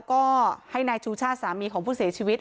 ก็ให้นายชูชาติสามีของผู้เสียชีวิต